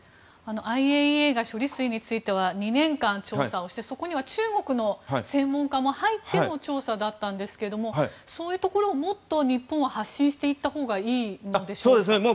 ＩＡＥＡが処理水については２年間調査をしてそこには中国の専門家も入っての調査だったんですがそういうところを、もっと日本は発信していったほうがいいのでしょうか。